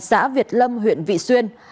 xã việt lâm huyện vị xuyên